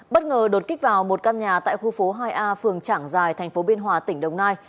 bất ngờ đột kích vào một căn nhà tại khu phố hai a phường trảng giài thành phố biên hòa tỉnh đồng nai